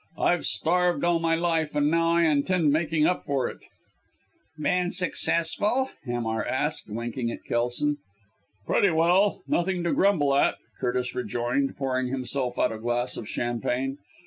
I've starved all my life and now I intend making up for it." "Been successful?" Hamar asked, winking at Kelson. "Pretty well! Nothing to grumble at," Curtis rejoined, pouring himself out a glass of champagne.